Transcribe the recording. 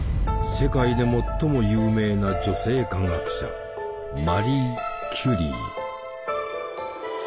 世界で最も有名な女性科学者マリー・キュリー。